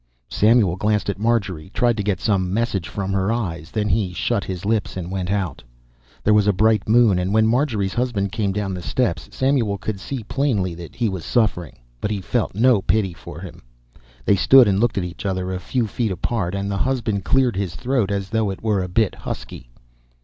Samuel glanced at Marjorie, tried to get some message from her eyes; then he shut his lips and went out. There was a bright moon and when Marjorie's husband came down the steps Samuel could see plainly that he was suffering but he felt no pity for him. They stood and looked at each other, a few feet apart, and the husband cleared his throat as though it were a bit husky.